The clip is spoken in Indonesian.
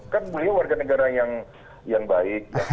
kan beliau warga negara yang baik